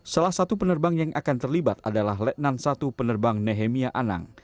salah satu penerbang yang akan terlibat adalah letnan satu penerbang nehemia anang